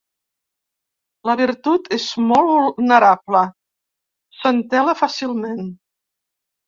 La virtut és molt vulnerable, s'entela fàcilment.